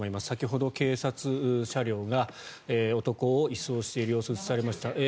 先ほど警察車両が男を移送している様子が映されました。